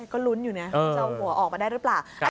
ก็ลุ้นอยู่นะจะเอาหัวออกมาได้หรือเปล่า